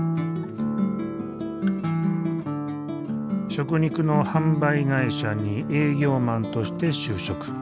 食肉の販売会社に営業マンとして就職。